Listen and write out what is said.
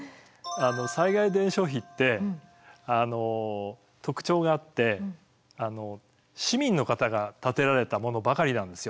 災害伝承碑って特徴があって市民の方が建てられたものばかりなんですよ。